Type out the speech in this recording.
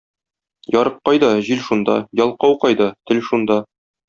Ярык кайда — җил шунда, ялкау кайда — тел шунда.